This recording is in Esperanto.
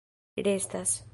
restas